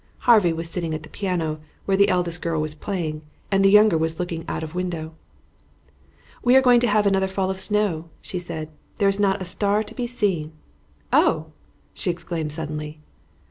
Harvey was sitting at the piano, where the eldest girl was playing, and the younger was looking out of window. "We are going to have another fall of snow," she said. "There is not a star to be seen. Oh!" she exclaimed suddenly.